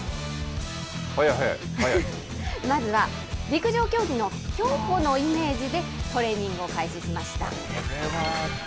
陸上競技の競歩のイメージでトレーニングを開始しました。